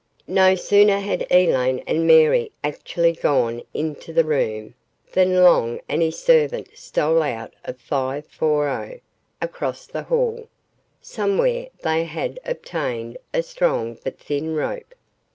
No sooner had Elaine and Mary actually gone into the room, than Long and his servant stole out of 540, across the hall. Somewhere they had obtained a strong but thin rope.